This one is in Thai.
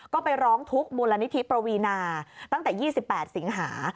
ก็ไปร้องทุกข์มูลนิธิปวีนาตั้งแต่๒๘สิงหา